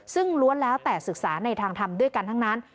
ซึ่งล้วนแล้วแต่ศึกษาในทางทำด้วยกันทั้งนั้น